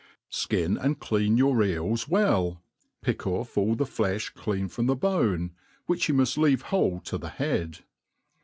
SKIN and cl»n your eels well, pick ofF alh the fle£h cleaa from the bone, which you muft leave whole to the head.